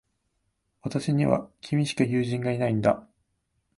私には、君しか友人がいないんだ。